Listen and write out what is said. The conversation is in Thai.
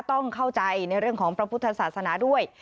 ต้องเข้าใจในเรื่องของพระพุทธศาสนาด้วย